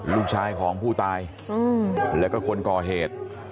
ลูกชายของผู้ตายแล้วก็คนก่อเหตุ